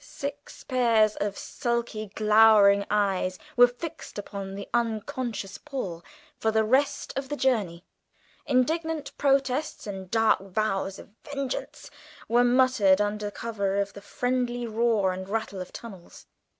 Six pairs of sulky glowering eyes were fixed upon the unconscious Paul for the rest of the journey; indignant protests and dark vows of vengeance were muttered under cover of the friendly roar and rattle of tunnels.